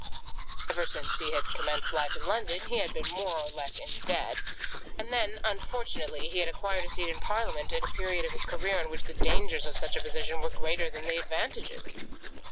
Ever since he had commenced life in London he had been more or less in debt; and then, unfortunately, he had acquired a seat in Parliament at a period of his career in which the dangers of such a position were greater than the advantages.